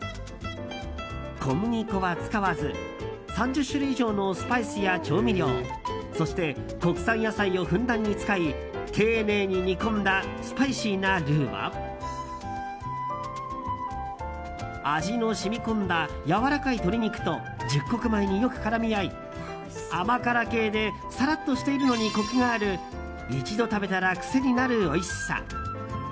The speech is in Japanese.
小麦粉は使わず３０種類以上のスパイスや調味料そして国産野菜をふんだんに使い丁寧に煮込んだスパイシーなルーは味の染み込んだやわらかい鶏肉と十穀米によく絡み合い甘辛系でさらっとしているのにコクがある一度食べたら癖になるおいしさ。